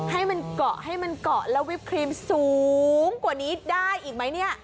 ให้มันเกาะให้มันเกาะแล้ววิปครีมสูงกว่านี้ได้อีกไหมเนี่ย